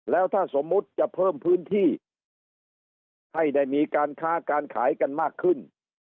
แล้วถ้าสมมุติจะเพิ่มพื้นที่ให้ได้มีการค้าการขายกันมากขึ้น